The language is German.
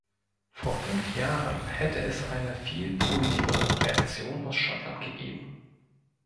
Vor fünf Jahren hätte es eine viel positivere Reaktion aus Schottland gegeben.